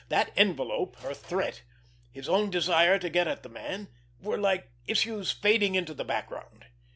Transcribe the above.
That envelope, her threat, his own desire to get at the man, were like issues fading into the background.